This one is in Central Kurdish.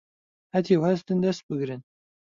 هەتیو هەستن دەس بگرن